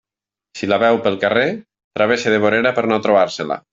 Si la veu pel carrer, travessa de vorera per no trobar-se-la.